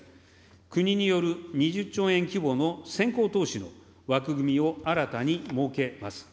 国による２０兆円規模の先行投資の枠組みを新たに設けます。